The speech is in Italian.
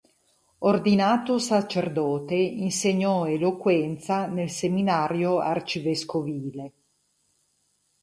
Ordinato sacerdote insegnò eloquenza nel seminario arcivescovile.